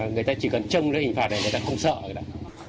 người ta chỉ cần châm ra hình phạt này là người ta không sợ